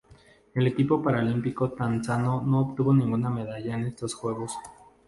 El equipo paralímpico tanzano no obtuvo ninguna medalla en estos Juegos.